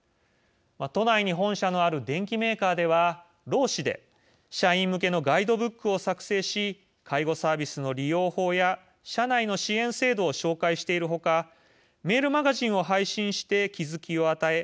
都内に本社のある電機メーカーでは、労使で社員向けのガイドブックを作成し介護サービスの利用法や社内の支援制度を紹介している他メールマガジンを配信して気付きを与え